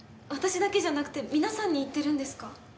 私だけじゃなくて皆さんに言ってるんですか？